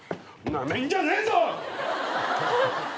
なめんじゃねえぞ！